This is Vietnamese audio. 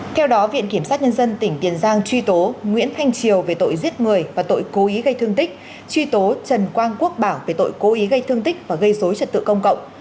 theo đó viện kiểm sát nhân dân tỉnh tiền giang truy tố nguyễn thanh triều về tội giết người và tội cố ý gây thương tích truy tố trần quang quốc bảo về tội cố ý gây thương tích và gây dối trật tự công cộng